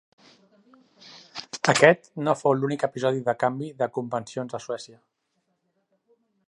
Aquest no fou l'únic episodi de canvi de convencions a Suècia.